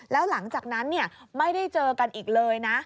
แล้วหลังจากนั้นไม่ได้เจอกันอีกเลยนะ